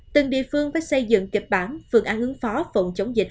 từng địa phương phải xây dựng kịch bản phương án ứng phó phòng chống dịch